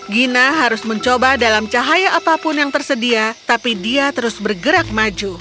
gina harus mencoba dalam cahaya apapun yang tersedia tapi dia terus bergerak maju